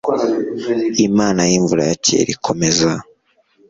imana y'imvura ya kera ikomeza